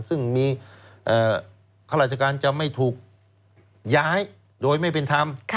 ซึ่งมีข้าราชการจะไม่ถูกย้ายโดยไม่เป็นธรรม